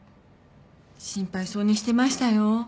心配そうにしてましたよ。